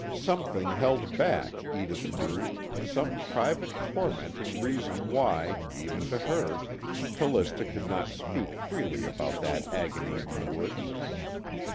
Something held back, Edith knew, some private tormenting reason why, even to her, Callista could not speak freely about that agony in the woods.